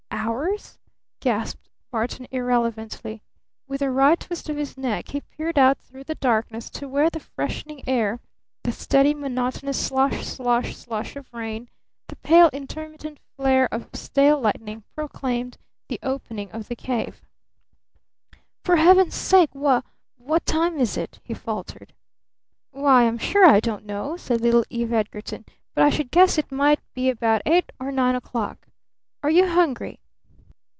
"Hours?" gasped Barton irrelevantly. With a wry twist of his neck he peered out through the darkness to where the freshening air, the steady, monotonous slosh slosh slosh of rain, the pale intermittent flare of stale lightning, proclaimed the opening of the cave. "For Heaven's sake, wh at what time is it?" he faltered. "Why, I'm sure I don't know," said little Eve Edgarton. "But I should guess it might be about eight or nine o'clock. Are you hungry?"